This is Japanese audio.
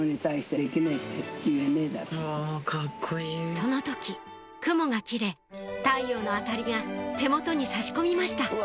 その時雲が切れ太陽の明かりが手元に差し込みました